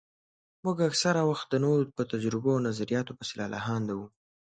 موږ اکثره وخت د نورو په تجربو او نظرياتو پسې لالهانده وو.